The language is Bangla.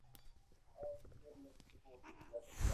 ফলে এই সড়কের দুই পাশ দিয়ে যান চলাচল সীমিত হয়ে পড়েছে।